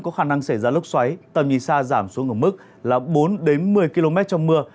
có khả năng xảy ra lốc xoáy tầm nhìn xa giảm xuống ở mức là bốn đến một mươi km trong mưa